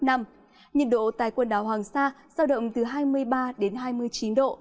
nhiệt độ tại quần đảo hoàng sa giao động từ hai mươi ba đến hai mươi chín độ